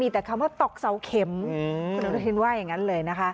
แต่คำว่าตกเสาเข็มคุณอนุทินว่าอย่างนั้นเลยนะคะ